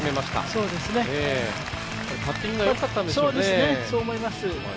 そう思います。